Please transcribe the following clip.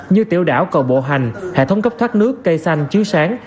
như tiểu đảo cầu bộ hành hệ thống cấp thoát nước cây xanh chiếu sáng